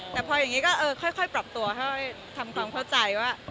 แต่พออย่างนี้ก็เออค่อยปรับตัวค่อยทำความเข้าใจว่า